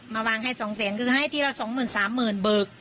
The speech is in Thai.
มาวางให้สองแสนคือให้ทีละสองหมื่นสามหมื่นเบิก